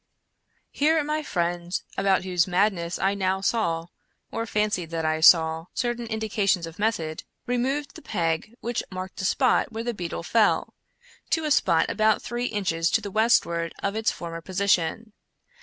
Here my friend, about whose madness I now saw, or fancied that I saw, certain indications of method, removed the peg which marked the spot where the beetle fell, to a spot about three inches to the westward of its former posi tion.